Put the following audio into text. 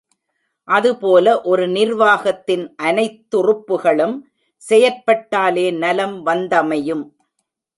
அதுபோல ஒரு நிர்வாகத் தின் அனைத்துறுப்புக்களும் செயற்பட்டாலே நலம் வந்தமையும்.